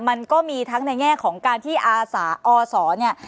มันก็มีทั้งในแง่ของการที่อาสาอศเนี่ย